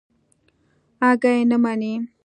اگه يې نه مني.